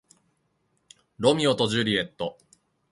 ロミオとジュリエット